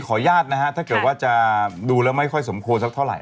อนุญาตนะฮะถ้าเกิดว่าจะดูแล้วไม่ค่อยสมควรสักเท่าไห